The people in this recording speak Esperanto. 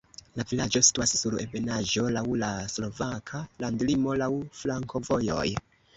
La vilaĝo situas sur ebenaĵo, laŭ la slovaka landlimo, laŭ flankovojoj.